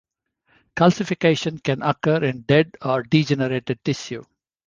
Calcification can occur in dead or degenerated tissue.